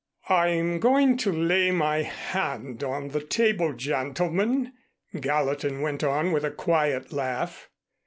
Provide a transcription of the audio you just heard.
"I'm going to lay my hand on the table, gentlemen," Gallatin went on with a quiet laugh.